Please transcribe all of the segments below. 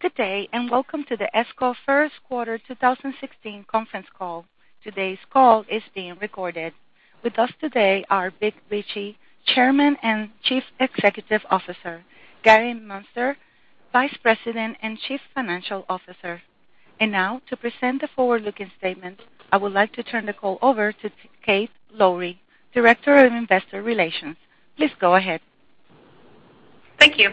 Good day and welcome to the ESCO First Quarter 2016 conference call. Today's call is being recorded. With us today are Vic Richey, Chairman and Chief Executive Officer, Gary Muenster, Vice President and Chief Financial Officer. And now, to present the forward-looking statements, I would like to turn the call over to Kate Lowrey, Director of Investor Relations. Please go ahead. Thank you.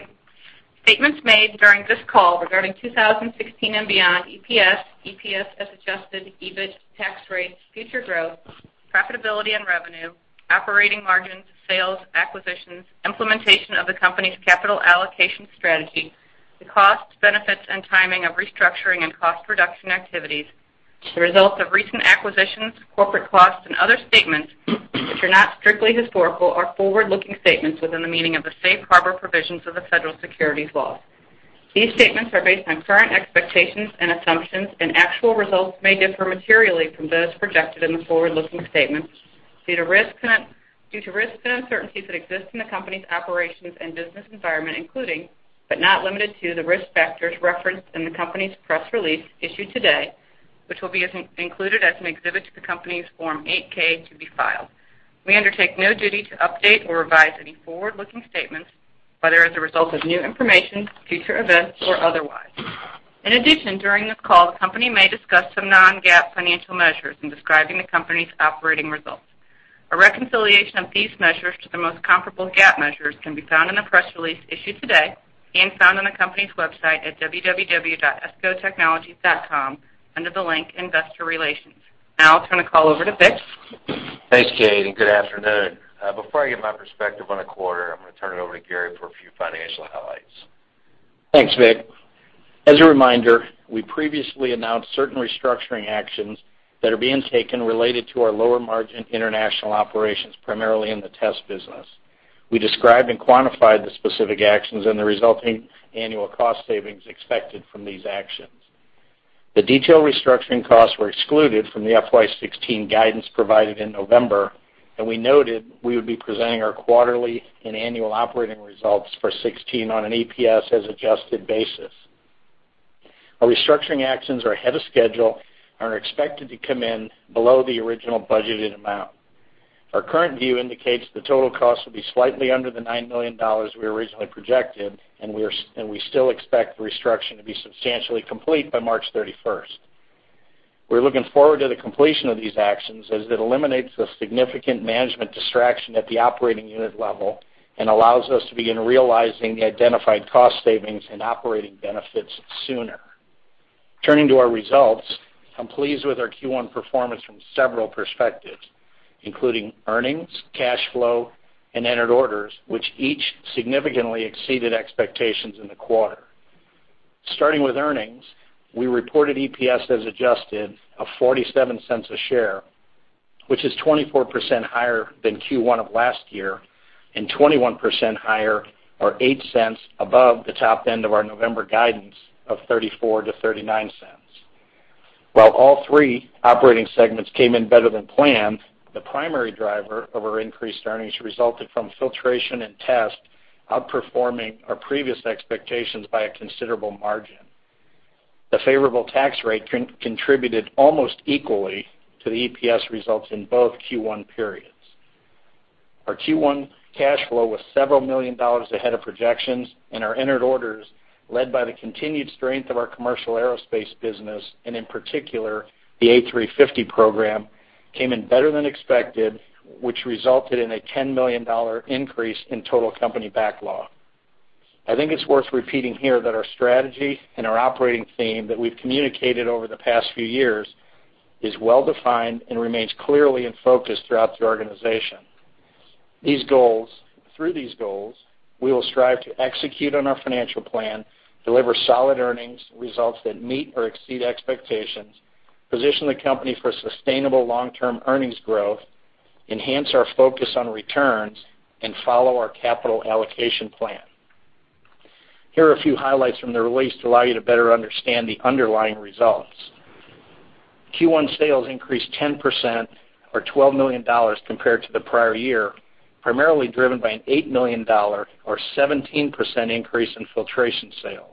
Statements made during this call regarding 2016 and beyond EPS, EPS As Adjusted, EBIT, tax rates, future growth, profitability and revenue, operating margins, sales, acquisitions, implementation of the company's capital allocation strategy, the costs, benefits, and timing of restructuring and cost reduction activities. The results of recent acquisitions, corporate costs, and other statements which are not strictly historical are forward-looking statements within the meaning of the safe harbor provisions of the Federal Securities Laws. These statements are based on current expectations and assumptions, and actual results may differ materially from those projected in the forward-looking statements. Due to risks and uncertainties that exist in the company's operations and business environment, including but not limited to the risk factors referenced in the company's press release issued today, which will be included as an exhibit to the company's Form 8-K to be filed. We undertake no duty to update or revise any forward-looking statements, whether as a result of new information, future events, or otherwise. In addition, during this call, the company may discuss some non-GAAP financial measures in describing the company's operating results. A reconciliation of these measures to the most comparable GAAP measures can be found in the press release issued today and found on the company's website at www.escotechnologies.com under the link Investor Relations. Now I'll turn the call over to Vic. Thanks, Kate, and good afternoon. Before I give my perspective on the quarter, I'm going to turn it over to Gary for a few financial highlights. Thanks, Vic. As a reminder, we previously announced certain restructuring actions that are being taken related to our lower margin international operations, primarily in the test business. We described and quantified the specific actions and the resulting annual cost savings expected from these actions. The detailed restructuring costs were excluded from the FY16 guidance provided in November, and we noted we would be presenting our quarterly and annual operating results for 2016 on an EPS As Adjusted basis. Our restructuring actions are ahead of schedule and are expected to come in below the original budgeted amount. Our current view indicates the total costs will be slightly under the $9 million we originally projected, and we still expect the restructure to be substantially complete by March 31st. We're looking forward to the completion of these actions as it eliminates the significant management distraction at the operating unit level and allows us to begin realizing the identified cost savings and operating benefits sooner. Turning to our results, I'm pleased with our Q1 performance from several perspectives, including earnings, cash flow, and entered orders, which each significantly exceeded expectations in the quarter. Starting with earnings, we reported EPS As Adjusted of $0.47 a share, which is 24% higher than Q1 of last year and 21% higher, or $0.08 above the top end of our November guidance of $0.34-$0.39. While all three operating segments came in better than planned, the primary driver of our increased earnings resulted from filtration and test outperforming our previous expectations by a considerable margin. The favorable tax rate contributed almost equally to the EPS results in both Q1 periods. Our Q1 cash flow was several million dollars ahead of projections, and our entered orders, led by the continued strength of our commercial aerospace business and in particular the A350 program, came in better than expected, which resulted in a $10 million increase in total company backlog. I think it's worth repeating here that our strategy and our operating theme that we've communicated over the past few years is well defined and remains clearly in focus throughout the organization. Through these goals, we will strive to execute on our financial plan, deliver solid earnings results that meet or exceed expectations, position the company for sustainable long-term earnings growth, enhance our focus on returns, and follow our capital allocation plan. Here are a few highlights from the release to allow you to better understand the underlying results. Q1 sales increased 10%, or $12 million, compared to the prior year, primarily driven by an $8 million, or 17% increase in filtration sales.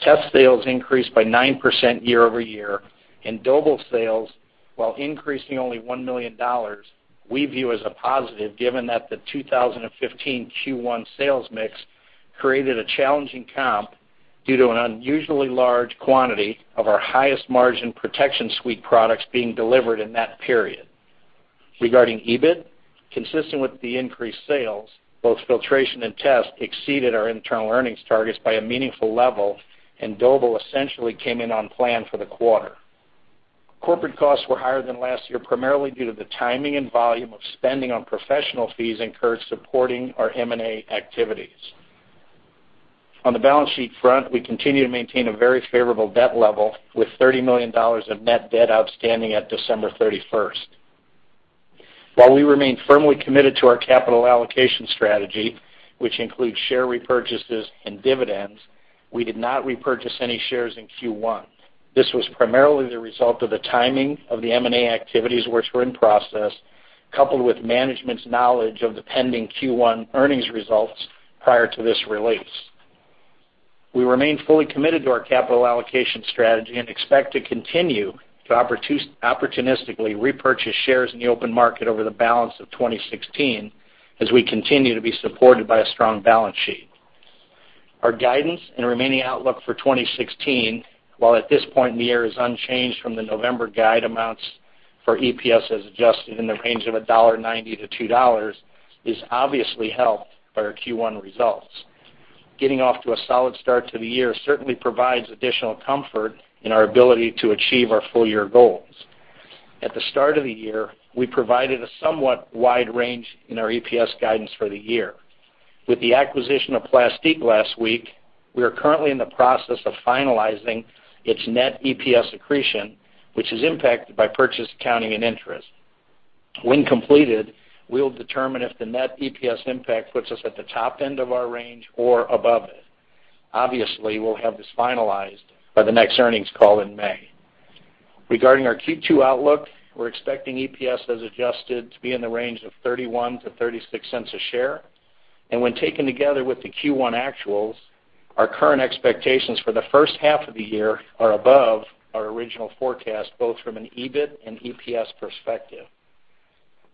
Test sales increased by 9% year-over-year, and Doble sales, while increasing only $1 million, we view as a positive given that the 2015 Q1 sales mix created a challenging comp due to an unusually large quantity of our highest margin Protection Suite products being delivered in that period. Regarding EBIT, consistent with the increased sales, both filtration and test exceeded our internal earnings targets by a meaningful level, and Doble essentially came in on plan for the quarter. Corporate costs were higher than last year, primarily due to the timing and volume of spending on professional fees incurred supporting our M&A activities. On the balance sheet front, we continue to maintain a very favorable debt level, with $30 million of net debt outstanding at December 31st. While we remain firmly committed to our capital allocation strategy, which includes share repurchases and dividends, we did not repurchase any shares in Q1. This was primarily the result of the timing of the M&A activities which were in process, coupled with management's knowledge of the pending Q1 earnings results prior to this release. We remain fully committed to our capital allocation strategy and expect to continue to opportunistically repurchase shares in the open market over the balance of 2016, as we continue to be supported by a strong balance sheet. Our guidance and remaining outlook for 2016, while at this point in the year is unchanged from the November guide amounts for EPS As Adjusted in the range of $1.90-$2, is obviously helped by our Q1 results. Getting off to a solid start to the year certainly provides additional comfort in our ability to achieve our full-year goals. At the start of the year, we provided a somewhat wide range in our EPS guidance for the year. With the acquisition of Plastique last week, we are currently in the process of finalizing its net EPS accretion, which is impacted by purchase accounting and interest. When completed, we will determine if the net EPS impact puts us at the top end of our range or above it. Obviously, we'll have this finalized by the next earnings call in May. Regarding our Q2 outlook, we're expecting EPS As adjusted to be in the range of $0.31-$0.36 a share. When taken together with the Q1 actuals, our current expectations for the first half of the year are above our original forecast, both from an EBIT and EPS perspective.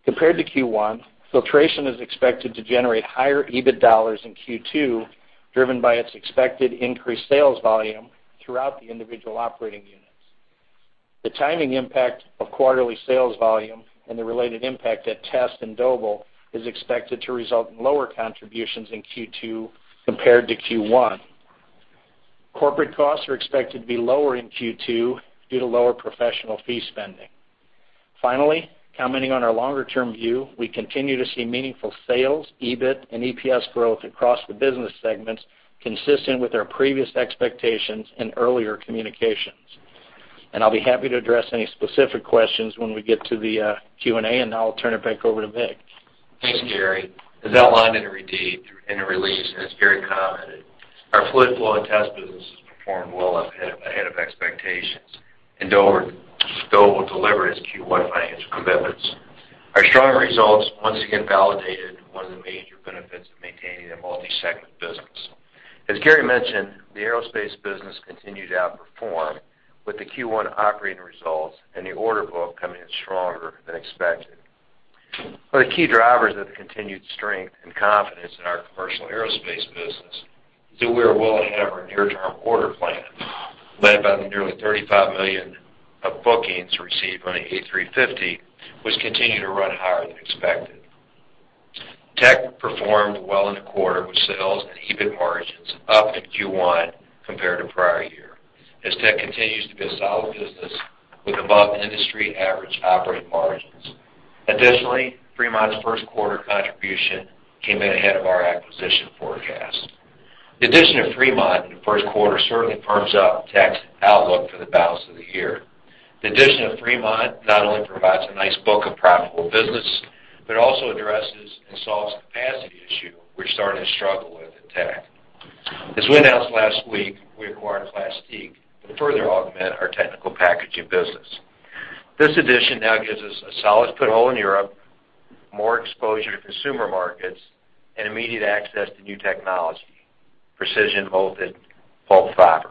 Compared to Q1, Filtration is expected to generate higher EBIT dollars in Q2, driven by its expected increased sales volume throughout the individual operating units. The timing impact of quarterly sales volume and the related impact at Test and Doble is expected to result in lower contributions in Q2 compared to Q1. Corporate costs are expected to be lower in Q2 due to lower professional fee spending. Finally, commenting on our longer-term view, we continue to see meaningful sales, EBIT, and EPS growth across the business segments, consistent with our previous expectations and earlier communications. I'll be happy to address any specific questions when we get to the Q&A, and now I'll turn it back over to Vic. Thanks, Gary. As outlined in the release, as Gary commented, our Fluid Flow in Test business has performed well ahead of expectations and will deliver its Q1 financial commitments. Our strong results once again validated one of the major benefits of maintaining a multi-segment business. As Gary mentioned, the aerospace business continued to outperform with the Q1 operating results and the order book coming in stronger than expected. One of the key drivers of the continued strength and confidence in our commercial aerospace business is that we are well ahead of our near-term order plan, led by the nearly $35 million of bookings received on the A350, which continue to run higher than expected. TEQ performed well in the quarter with sales and EBIT margins up in Q1 compared to prior year, as TEQ continues to be a solid business with above-industry average operating margins. Additionally, Fremont's first quarter contribution came in ahead of our acquisition forecast. The addition of Fremont in the first quarter certainly firms up TEQ's outlook for the balance of the year. The addition of Fremont not only provides a nice book of profitable business but also addresses and solves the capacity issue we're starting to struggle with in TEQ. As we announced last week, we acquired Plastique to further augment our technical packaging business. This addition now gives us a solid foothold in Europe, more exposure to consumer markets, and immediate access to new technology: precision-molded pulp fiber.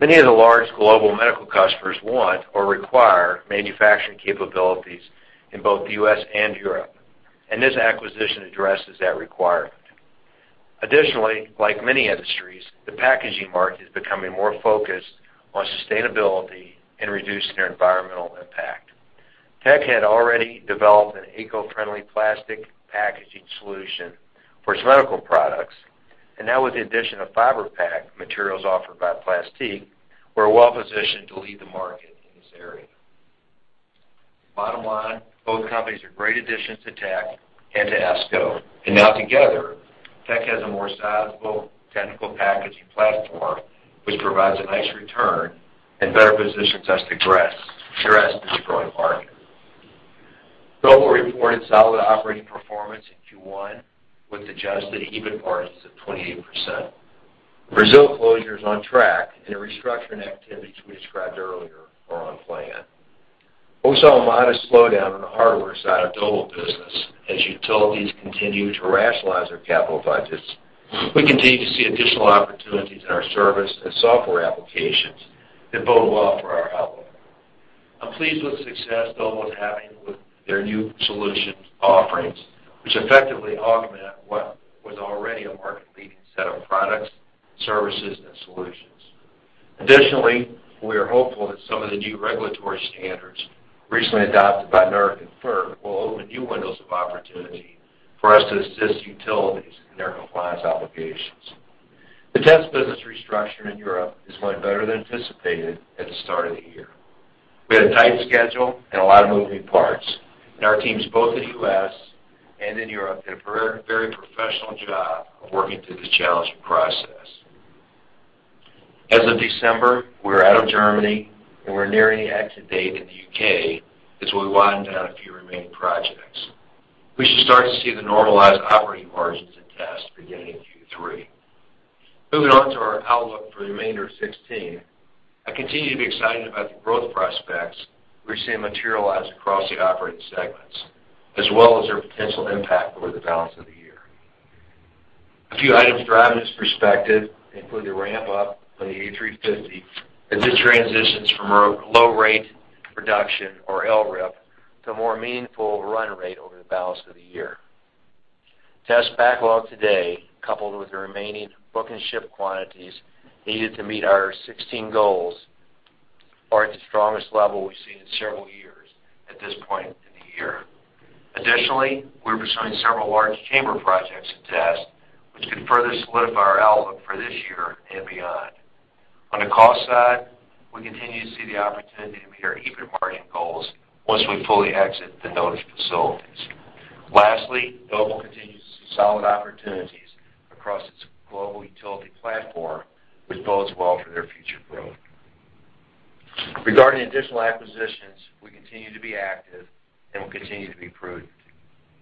Many of the large global medical customers want or require manufacturing capabilities in both the U.S. and Europe, and this acquisition addresses that requirement. Additionally, like many industries, the packaging market is becoming more focused on sustainability and reducing their environmental impact. TEQ had already developed an eco-friendly plastic packaging solution for its medical products, and now with the addition of Fibrepak materials offered by Plastique, we're well positioned to lead the market in this area. Bottom line, both companies are great additions to TEQ and to ESCO. Now together, TEQ has a more sizable technical packaging platform which provides a nice return and better positions us to address this growing market. Doble reported solid operating performance in Q1 with adjusted EBIT margins of 28%. Brazil closure is on track, and the restructuring activities we described earlier are on plan. We saw a modest slowdown on the hardware side of Doble business as utilities continue to rationalize their capital budgets. We continue to see additional opportunities in our service and software applications that bode well for our outlook. I'm pleased with the success Doble is having with their new solution offerings, which effectively augment what was already a market-leading set of products, services, and solutions. Additionally, we are hopeful that some of the new regulatory standards recently adopted by NERC and FERC will open new windows of opportunity for us to assist utilities in their compliance obligations. The test business restructure in Europe is going better than anticipated at the start of the year. We had a tight schedule and a lot of moving parts, and our teams both in the U.S. and in Europe did a very professional job of working through this challenging process. As of December, we are out of Germany, and we're nearing the exit date in the U.K. as we wind down a few remaining projects. We should start to see the normalized operating margins in test beginning in Q3. Moving on to our outlook for the remainder of 2016, I continue to be excited about the growth prospects we're seeing materialize across the operating segments, as well as their potential impact over the balance of the year. A few items driving this perspective include the ramp-up on the A350 as it transitions from low-rate production, or LRIP, to a more meaningful run rate over the balance of the year. Test backlog today, coupled with the remaining book and ship quantities needed to meet our 2016 goals, are at the strongest level we've seen in several years at this point in the year. Additionally, we're pursuing several large chamber projects in test, which could further solidify our outlook for this year and beyond. On the cost side, we continue to see the opportunity to meet our EBIT margin goals once we fully exit the noted facilities. Lastly, Doble continues to see solid opportunities across its global utility platform, which bodes well for their future growth. Regarding additional acquisitions, we continue to be active and will continue to be prudent.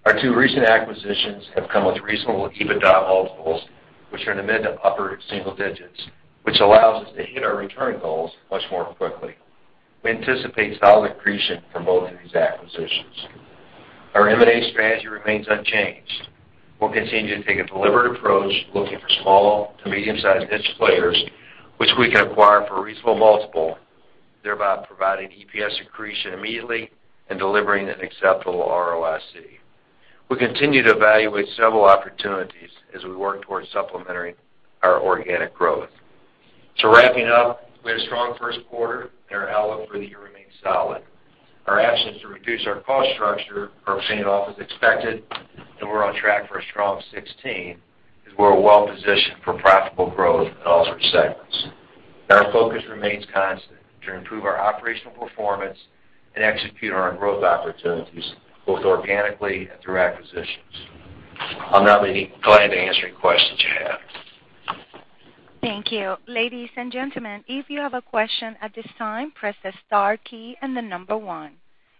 Our two recent acquisitions have come with reasonable EBIT dollar multiples, which are in the mid to upper single digits, which allows us to hit our return goals much more quickly. We anticipate solid accretion from both of these acquisitions. Our M&A strategy remains unchanged. We'll continue to take a deliberate approach looking for small to medium-sized niche players, which we can acquire for a reasonable multiple, thereby providing EPS accretion immediately and delivering an acceptable ROIC. We continue to evaluate several opportunities as we work towards supplementing our organic growth. Wrapping up, we had a strong first quarter, and our outlook for the year remains solid. Our actions to reduce our cost structure are paying off as expected, and we're on track for a strong 2016 as we're well positioned for profitable growth in all three segments. Our focus remains constant to improve our operational performance and execute on our growth opportunities, both organically and through acquisitions. I'll now be glad to answer any questions you have. Thank you. Ladies and gentlemen, if you have a question at this time, press the star key and the number one.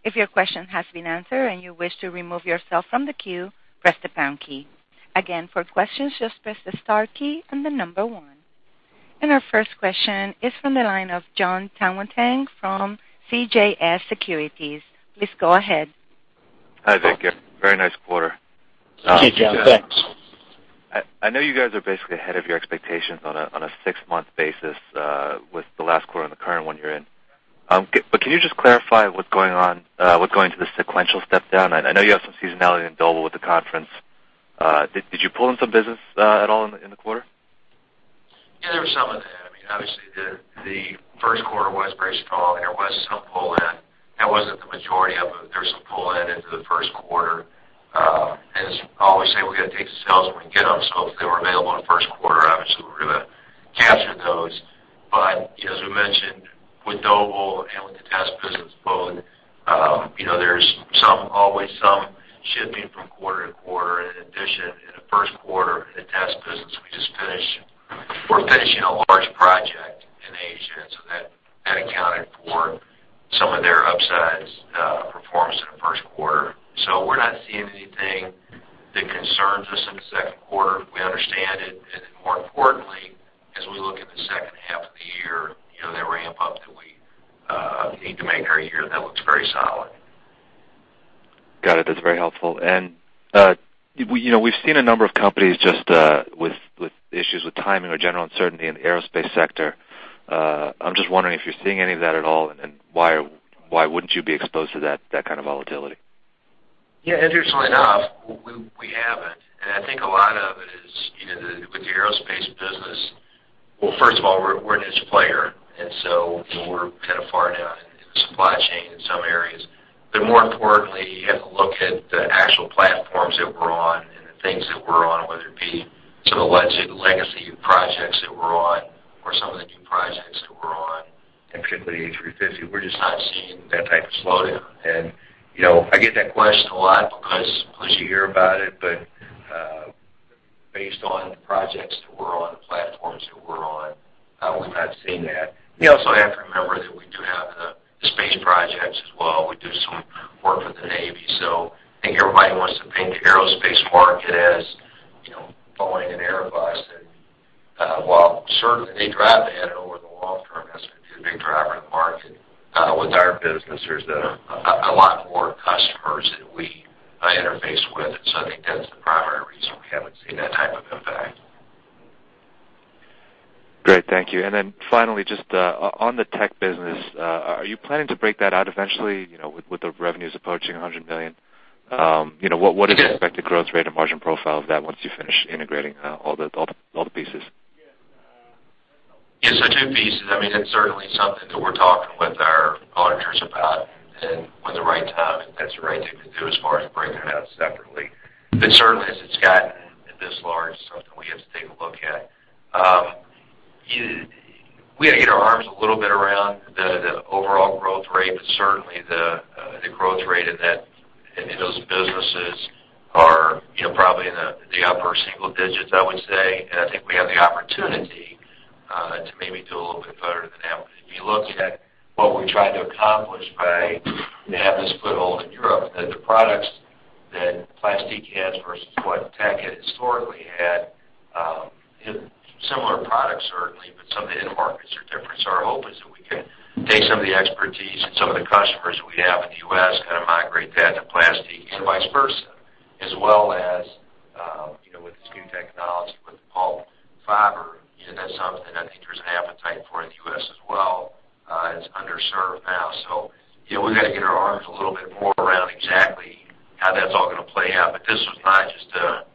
If your question has been answered and you wish to remove yourself from the queue, press the pound key. Again, for questions, just press the star key and the number one. Our first question is from the line of John Tanwanteng from CJS Securities. Please go ahead. Hi, Vic. Very nice quarter. Hey, John. Thanks. I know you guys are basically ahead of your expectations on a six-month basis with the last quarter and the current one you're in. But can you just clarify what's going into the sequential stepdown? I know you have some seasonality in Doble with the conference. Did you pull in some business at all in the quarter? Yeah, there was some in that. I mean, obviously, the first quarter was pretty strong, and there was some pull-in. That wasn't the majority of it. There was some pull-in into the first quarter. As I always say, we got to take the sales when we get them. So if they were available in the first quarter, obviously, we're going to capture those. But as we mentioned, with Doble and with the test business, both, there's always some shifting from quarter to quarter. And in addition, in the first quarter in the test business, we're finishing a large project in Asia, and so that accounted for some of their upside performance in the first quarter. So we're not seeing anything that concerns us in the second quarter. We understand it. More importantly, as we look in the second half of the year, that ramp-up that we need to make in our year, that looks very solid. Got it. That's very helpful. We've seen a number of companies just with issues with timing or general uncertainty in the aerospace sector. I'm just wondering if you're seeing any of that at all, and why wouldn't you be exposed to that kind of volatility? Yeah. Interestingly enough, we haven't. I think a lot of it is with the aerospace business. Well, first of all, we're a niche player, and so we're kind of far down in the supply chain in some areas. But more importantly, you have to look at the actual platforms that we're on and the things that we're on, whether it be some of the legacy projects that we're on or some of the new projects that we're on, and particularly the A350. We're just not seeing that type of slowdown. I get that question a lot because unless you hear about it, but based on the projects that we're on, the platforms that we're on, we've not seen that. We also have to remember that we do have the space projects as well. We do some work with the Navy. I think everybody wants to paint the aerospace market as Boeing and Airbus. While certainly, they drive the add to the long-term estimate, they're a big driver of the market with our business. There's a lot more customers that we interface with. So I think that's the primary reason we haven't seen that type of impact. Great. Thank you. And then finally, just on the tech business, are you planning to break that out eventually with the revenues approaching $100 million? What is the expected growth rate and margin profile of that once you finish integrating all the pieces? Yeah. So two pieces. I mean, it's certainly something that we're talking with our auditors about, and when the right time, if that's the right thing to do as far as breaking it out separately. But certainly, as it's gotten this large, it's something we have to take a look at. We got to get our arms a little bit around the overall growth rate, but certainly, the growth rate in those businesses are probably in the upper single digits, I would say. And I think we have the opportunity to maybe do a little bit better than that. If you look at what we tried to accomplish by having this foothold in Europe, the products that Plastique had versus what tech had historically had, similar products, certainly, but some of the end markets are different. So our hope is that we can take some of the expertise and some of the customers that we have in the U.S., kind of migrate that to Plastique and vice versa, as well as with this new technology, with the pulp fiber, that's something I think there's an appetite for in the U.S. as well. It's underserved now. So we got to get our arms a little bit more around exactly how that's all going to play out. But this was not just a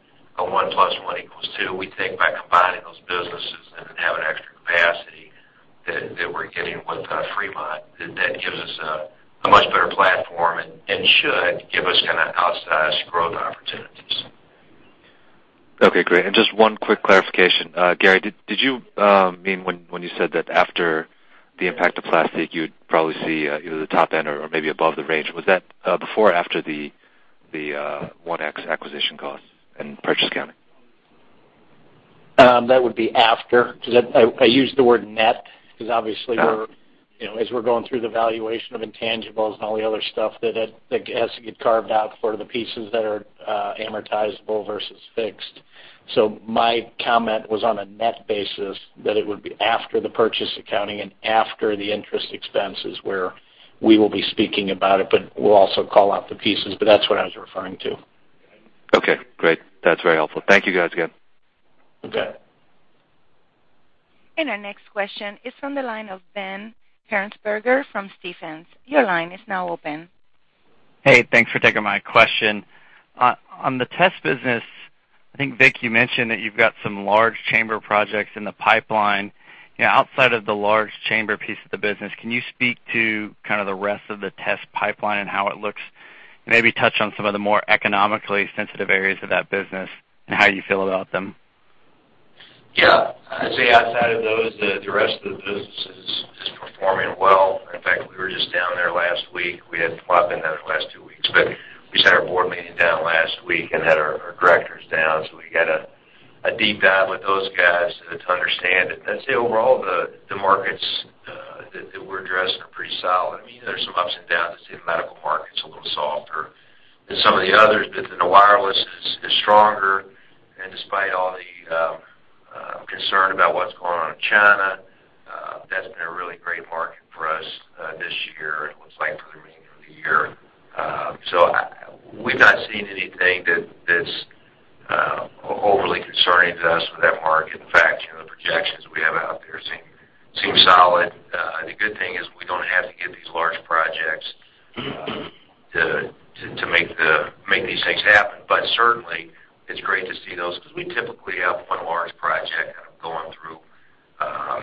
one plus one equals two. We think by combining those businesses and then having extra capacity that we're getting with Fremont, that gives us a much better platform and should give us kind of outsized growth opportunities. Okay. Great. And just one quick clarification. Gary, did you mean when you said that after the impact of Plastique, you'd probably see either the top end or maybe above the range? Was that before or after the 1X acquisition costs and purchase accounting? That would be after because I used the word net because obviously, as we're going through the valuation of intangibles and all the other stuff, that has to get carved out for the pieces that are amortizable versus fixed. So my comment was on a net basis, that it would be after the purchase accounting and after the interest expenses where we will be speaking about it, but we'll also call out the pieces. But that's what I was referring to. Okay. Great. That's very helpful. Thank you guys again. Okay. Our next question is from the line of Ben Hearnsberger from Stifel. Your line is now open. Hey. Thanks for taking my question. On the test business, I think, Vic, you mentioned that you've got some large chamber projects in the pipeline. Outside of the large chamber piece of the business, can you speak to kind of the rest of the test pipeline and how it looks and maybe touch on some of the more economically sensitive areas of that business and how you feel about them? Yeah. I'd say outside of those, the rest of the business is performing well. In fact, we were just down there last week. We had a lot been down there the last two weeks. But we sat our board meeting down last week and had our directors down. So we got a deep dive with those guys to understand it. And I'd say overall, the markets that we're addressing are pretty solid. I mean, there's some ups and downs. I'd say the medical market's a little softer than some of the others. But then the wireless is stronger. And despite all the concern about what's going on in China, that's been a really great market for us this year and looks like for the remainder of the year. So we've not seen anything that's overly concerning to us with that market. In fact, the projections we have out there seem solid. The good thing is we don't have to get these large projects to make these things happen. But certainly, it's great to see those because we typically have one large project kind of going through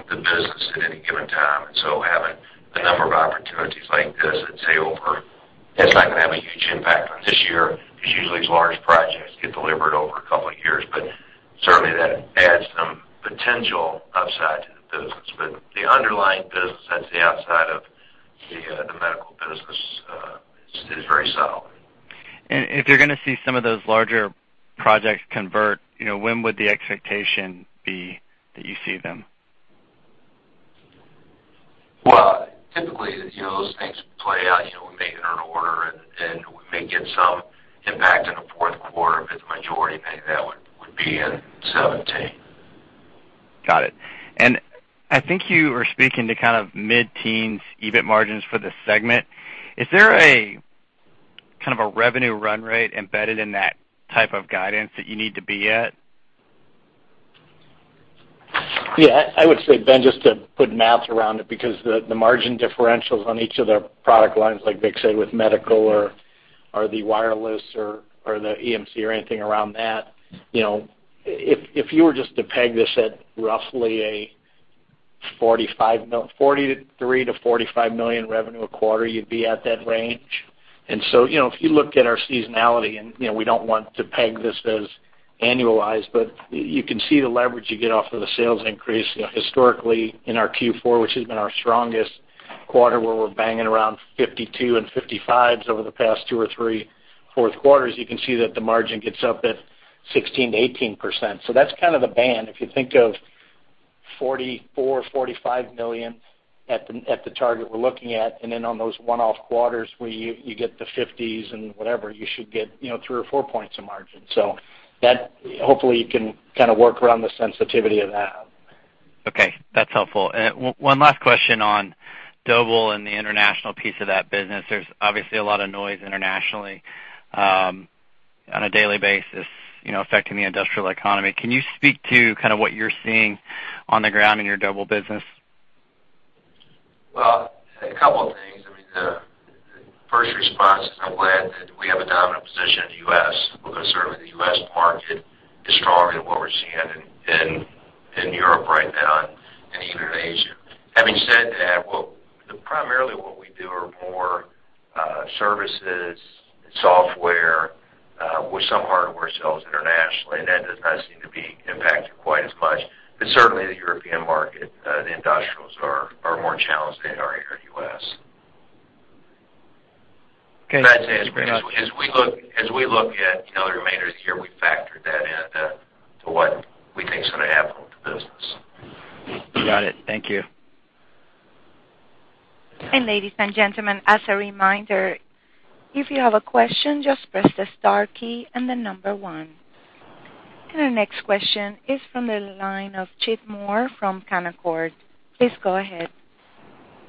the business at any given time. And so having a number of opportunities like this, I'd say, overall, that's not going to have a huge impact on this year because usually, these large projects get delivered over a couple of years. But certainly, that adds some potential upside to the business. But the underlying business, that's the outside of the medical business, is very solid. If you're going to see some of those larger projects convert, when would the expectation be that you see them? Well, typically, those things play out. We may enter an order, and we may get some impact in the fourth quarter. But the majority, I think that would be in 2017. Got it. And I think you were speaking to kind of mid-teens EBIT margins for this segment. Is there kind of a revenue run rate embedded in that type of guidance that you need to be at? Yeah. I would say, Ben, just to put math around it because the margin differentials on each of the product lines, like Vic said, with medical or the wireless or the EMC or anything around that, if you were just to peg this at roughly $43 million-$45 million revenue a quarter, you'd be at that range. And so if you look at our seasonality and we don't want to peg this as annualized, but you can see the leverage you get off of the sales increase. Historically, in our Q4, which has been our strongest quarter where we're banging around $52 million and $55 million over the past two or three fourth quarters, you can see that the margin gets up at 16%-18%. So that's kind of the band. If you think of $44-$45 million at the target we're looking at, and then on those one-off quarters where you get the $50s and whatever, you should get three or four points of margin. So hopefully, you can kind of work around the sensitivity of that. Okay. That's helpful. One last question on Doble and the international piece of that business. There's obviously a lot of noise internationally on a daily basis affecting the industrial economy. Can you speak to kind of what you're seeing on the ground in your Doble business? Well, a couple of things. I mean, the first response is I'm glad that we have a dominant position in the U.S. Certainly, the U.S. market is stronger than what we're seeing in Europe right now and even in Asia. Having said that, primarily, what we do are more services, software with some hardware sales internationally. And that does not seem to be impacted quite as much. But certainly, the European market, the industrials are more challenged than they are here in the U.S. But I'd say it's great. As we look at the remainder of the year, we factor that into what we think is going to happen with the business. Got it. Thank you. Ladies and gentlemen, as a reminder, if you have a question, just press the star key and the number one. Our next question is from the line of Chip Moore from Canaccord. Please go ahead.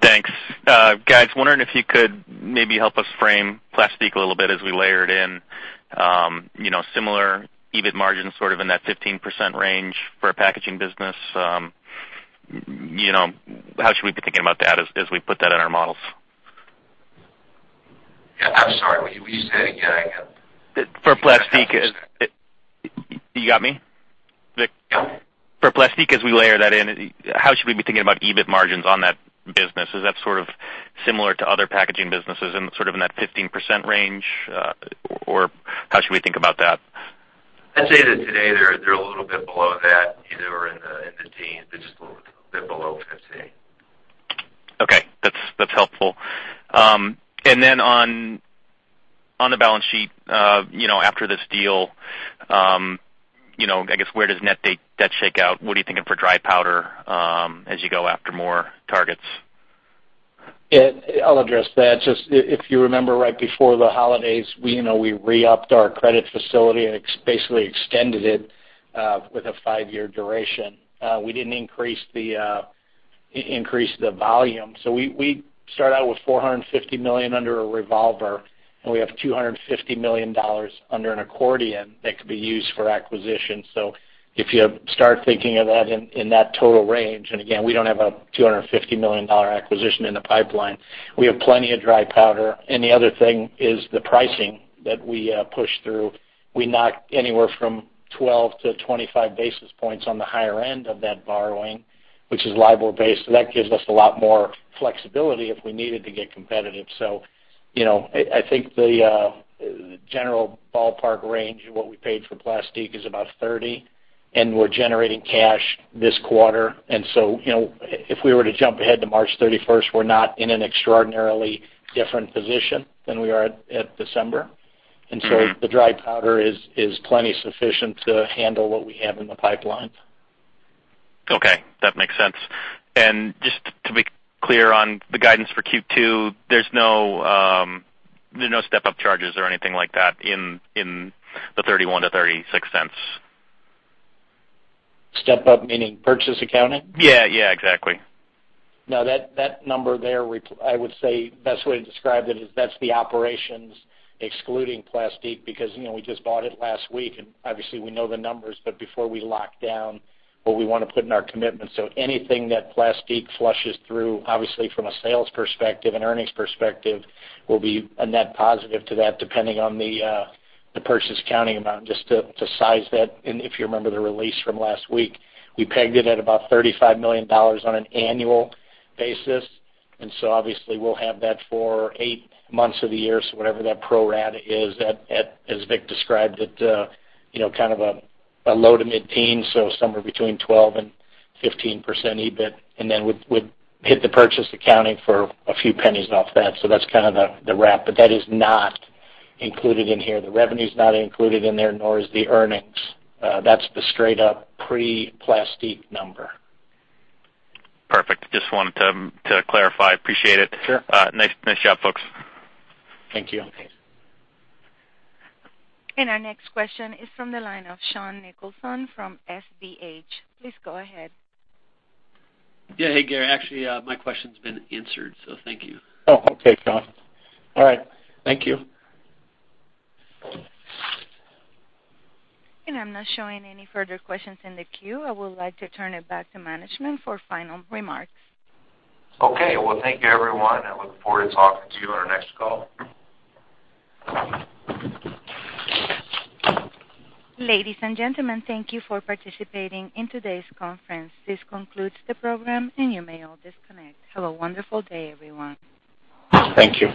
Thanks. Guys, wondering if you could maybe help us frame Plastique a little bit as we layer it in, similar EBIT margins, sort of in that 15% range for a packaging business. How should we be thinking about that as we put that in our models? Yeah. I'm sorry. Will you say that again? I got it. For Plastique, as you got me? Vic? Yeah. For Plastique, as we layer that in, how should we be thinking about EBIT margins on that business? Is that sort of similar to other packaging businesses sort of in that 15% range, or how should we think about that? I'd say that today, they're a little bit below that. They're in the teens. They're just a little bit below 15. Okay. That's helpful. And then on the balance sheet, after this deal, I guess, where does net debt shake out? What are you thinking for dry powder as you go after more targets? Yeah. I'll address that. Just if you remember, right before the holidays, we re-upped our credit facility and basically extended it with a 5-year duration. We didn't increase the volume. So we start out with $450 million under a revolver, and we have $250 million under an accordion that could be used for acquisition. So if you start thinking of that in that total range and again, we don't have a $250 million acquisition in the pipeline. We have plenty of dry powder. And the other thing is the pricing that we push through. We knock anywhere from 12-25 basis points on the higher end of that borrowing, which is LIBOR-based. So that gives us a lot more flexibility if we needed to get competitive. So I think the general ballpark range of what we paid for Plastique is about 30, and we're generating cash this quarter. And so if we were to jump ahead to March 31st, we're not in an extraordinarily different position than we are at December. And so the dry powder is plenty sufficient to handle what we have in the pipeline. Okay. That makes sense. And just to be clear on the guidance for Q2, there's no step-up charges or anything like that in the $0.31-$0.36? Step-up meaning purchase accounting? Yeah. Yeah. Exactly. No. That number there, I would say the best way to describe it is that's the operations excluding Plastique because we just bought it last week. And obviously, we know the numbers. But before we lock down, what we want to put in our commitments. So anything that Plastique flushes through, obviously, from a sales perspective and earnings perspective, will be a net positive to that depending on the purchase accounting amount, just to size that. And if you remember the release from last week, we pegged it at about $35 million on an annual basis. And so obviously, we'll have that for eight months of the year. So whatever that pro rata is, as Vic described, it's kind of a low to mid-teen, so somewhere between 12%-15% EBIT, and then would hit the purchase accounting for a few pennies off that. That's kind of the wrap. That is not included in here. The revenue's not included in there, nor is the earnings. That's the straight-up pre-Plastique number. Perfect. Just wanted to clarify. Appreciate it. Nice job, folks. Thank you. Our next question is from the line of Sean Nicholson from SDH. Please go ahead. Yeah. Hey, Gary. Actually, my question's been answered, so thank you. Oh. Okay, Sean. All right. Thank you. I'm not showing any further questions in the queue. I would like to turn it back to management for final remarks. Okay. Well, thank you, everyone. I look forward to talking to you on our next call. Ladies and gentlemen, thank you for participating in today's conference. This concludes the program, and you may all disconnect. Have a wonderful day, everyone. Thank you.